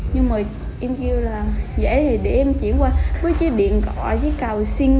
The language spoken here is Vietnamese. nhưng mà em kêu là dễ thì để em chỉ qua với chiếc điện cọ với cào xinh